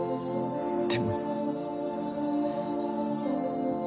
でも。